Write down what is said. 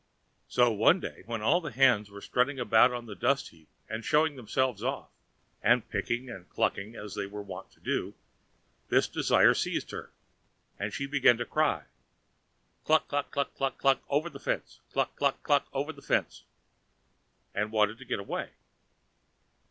So one day when all the hens were strutting about on the dust heap and showing themselves off, and picking and clucking, as they were wont to do, this desire seized her, and she began to cry: "Cluck, cluck, cluck, cluck, over the fence! cluck, cluck, cluck, over the fence!" and wanted to get away.